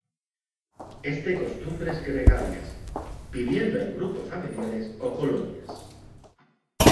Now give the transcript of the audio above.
Es de costumbres gregarias, viviendo en grupos familiares o colonias.